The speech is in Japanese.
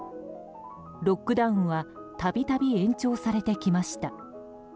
ロックダウンは度々、延長されてきました。